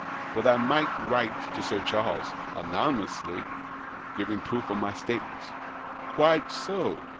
" But I might write to Sir Charles — anony mously — giving proof of my statements." " Quite so